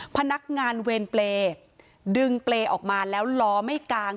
พนักงานเวรเปรย์ดึงเปรย์ออกมาแล้วล้อไม่กาง